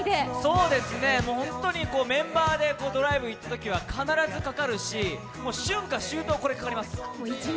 そうですね、メンバーでドライブに行くときは必ずかかるし、春夏秋冬これかかります。